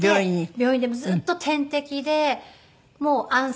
病院でずっと点滴でもう安静。